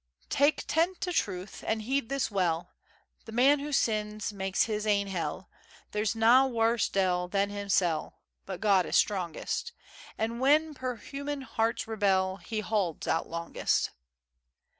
Tak'[K] tent o' truth, and heed this well: The man who sins makes his ain hell; There's na waurse de'il than himsel'; But God is strongest: And when puir human hearts rebel, He haulds out longest.